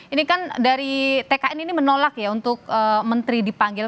ini kan dari tkn ini menolak ya untuk menteri dipanggil